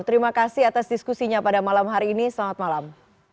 terima kasih atas diskusinya pada malam hari ini selamat malam